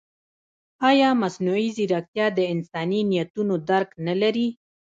ایا مصنوعي ځیرکتیا د انساني نیتونو درک نه لري؟